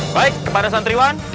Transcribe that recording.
baik kepada santriwan